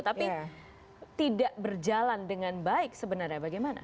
tapi tidak berjalan dengan baik sebenarnya bagaimana